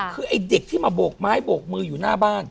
คือไอ้เด็กที่มาโบกไม้โบกมืออยู่หน้าบ้าน